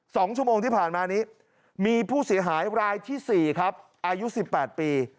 สองชั่วโมงที่ผ่านมานี้มีผู้เสียหายรายที่สี่ครับอายุสิบแปดปี